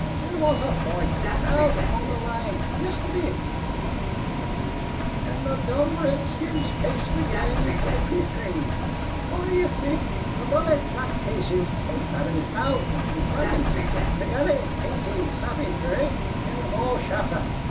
"There wus a foight, out on the line, yisteddy," went on the fellow, "an' the dom' redskins chased the gang to the troop train. Phwat do you think? A bullet knocked Casey's pipe out of his mouth, as he wus runnin', an' b'gorra, Casey sthopped fer it an' wus all shot up."